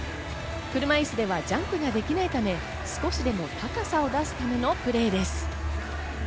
車いすではジャンプができないため、少しでも高さを出すためのプレーです。